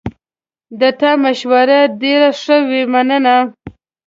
د تا مشوره ډېره ښه وه، مننه